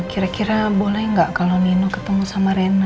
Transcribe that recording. kira kira boleh nggak kalau nino ketemu sama rena